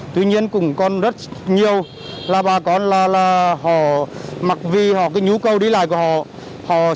tuy nhiên cũng còn rất nhiều là bà con là họ mặc vì nhú cầu đi lại của họ